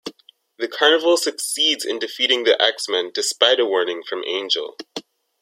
The carnival succeeds in defeating the X-Men despite a warning from Angel.